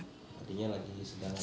artinya lagi sedang